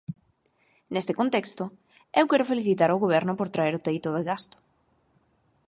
Neste contexto, eu quero felicitar o Goberno por traer o teito de gasto.